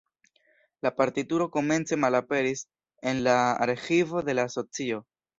La partituro komence malaperis en la arĥivo de la asocio.